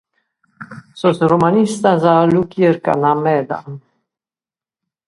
Sos romanistas lu chircant meda.